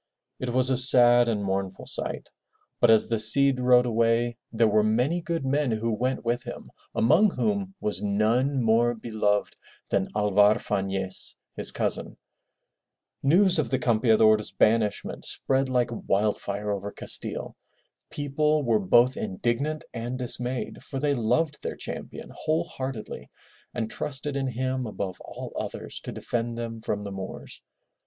It was a sad and mournful sight. But as the Cid rode away there were many good men who went with him, among whom was none more beloved than Alvar Fanez, his cousin. News of the Campeador's banishment spread like wild fire over Castile. People were both indignant and dismayed for they loved their champion whole heartedly and trusted in him above all others to defend them from the Moors.